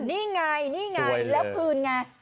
นี่ไงนี่ไงแล้วคืนไง